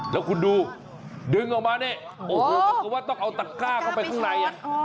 แล้วคุณดูดึงออกมาเนี่ยโอ้โหต้องเอาตะกร้าเข้าไปข้างใน